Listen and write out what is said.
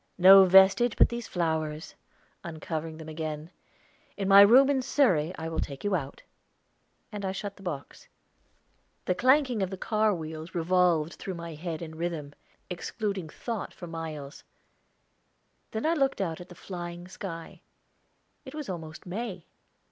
"No vestige but these flowers," uncovering them again. "In my room at Surrey I will take you out," and I shut the box. The clanking of the car wheels revolved through my head in rhythm, excluding thought for miles. Then I looked out at the flying sky it was almost May.